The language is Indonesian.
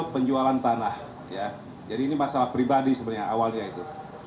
penjualan tanah jadi ini masalah pribadi sebenarnya awalnya itu